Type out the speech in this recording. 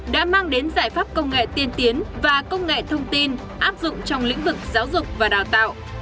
đã mang đến giải pháp công nghệ tiên tiến và công nghệ thông tin áp dụng trong lĩnh vực giáo dục và đào tạo